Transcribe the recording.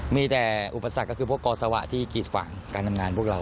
มีแต่อุปสรรคก็คือพวกกอสวะที่กีดขวางการทำงานพวกเรา